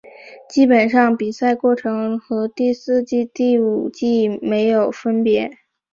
基本上比赛过程和第四季及第五季没有分别。